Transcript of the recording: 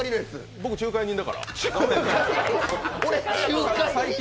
僕、仲介人だから。